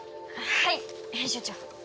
はい編集長。